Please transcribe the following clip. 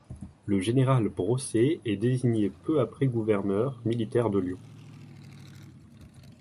Le général Brosset est désigné peu après gouverneur militaire de Lyon.